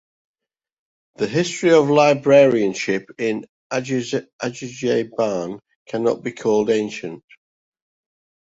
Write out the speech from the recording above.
The history of librarianship in Azerbaijan can not be called ancient.